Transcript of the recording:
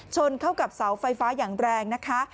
ชนเข้ากับเสาไฟฟ้าอย่างแรงนะคะ